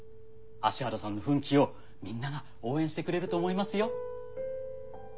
芦原さんの奮起をみんなが応援してくれると思いますよ。